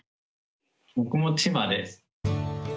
僕も千葉です。